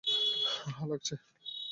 হ্যাঁ, লাগছে।